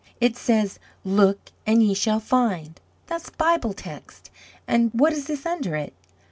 It says, 'Look, and ye shall find' that's a Bible text. And what is this under it?